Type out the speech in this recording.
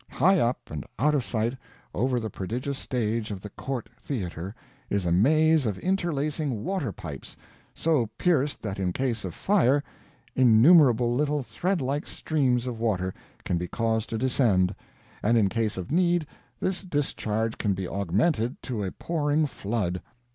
High up and out of sight, over the prodigious stage of the court theater is a maze of interlacing water pipes, so pierced that in case of fire, innumerable little thread like streams of water can be caused to descend; and in case of need, this discharge can be augmented to a pouring flood.